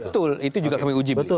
betul itu juga kami uji betul